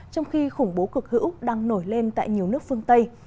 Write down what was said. trong khi khủng bố cực hữu đang nổi lên tại nhiều nước phương tây